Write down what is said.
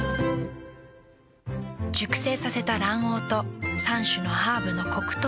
熟成させた卵黄と３種のハーブのコクとうま味。